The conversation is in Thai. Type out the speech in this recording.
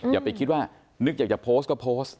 อย่าไปคิดว่านึกอยากจะโพสต์ก็โพสต์